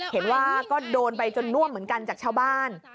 เห็นว่าก็โดนไปจนน่วมเหมือนกันจากชาวบ้าน